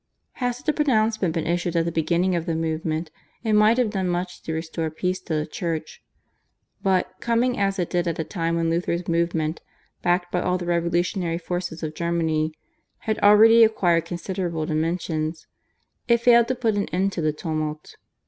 Had such a pronouncement been issued at the beginning of the movement it might have done much to restore peace to the Church, but, coming as it did at a time when Luther's movement, backed by all the revolutionary forces of Germany, had already acquired considerable dimensions, it failed to put an end to the tumult.